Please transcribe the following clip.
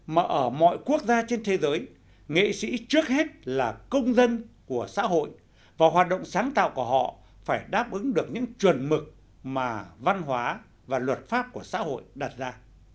mà ở mọi quốc gia trên thế giới nghệ sĩ trước hết là công dân của xã hội và hoạt động sáng tạo của họ phải đáp ứng được những chuẩn mực mà văn hóa và luật pháp của xã hội đặt ra